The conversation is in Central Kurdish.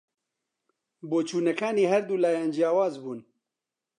بۆچوونەکانی هەردوو لایان جیاواز بوون